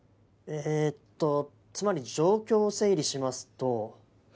えっとつまり状況を整理しますと。